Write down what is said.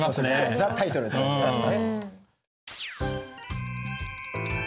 ザ・タイトルって。